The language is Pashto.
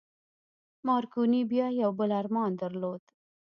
مارکوني بيا يو بل ارمان درلود.